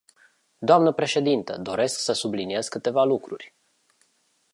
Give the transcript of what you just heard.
Dnă președintă, doresc să subliniez câteva lucruri.